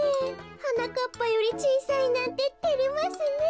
はなかっぱよりちいさいなんててれますねえ。